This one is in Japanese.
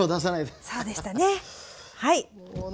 そうでしたねはい。